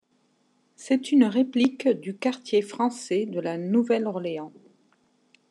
C'est une réplique du quartier français de La Nouvelle-Orléans.